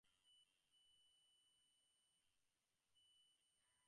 মনে হয় কিছু অনেক ভাড়ি কিছু চাপ দিচ্ছে বুকে।